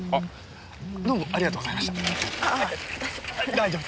大丈夫？